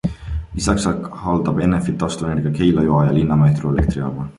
Lisaks haldab Enefit Taastuvenergia Keila-Joa ja Linnamäe hüdroelektrijaama.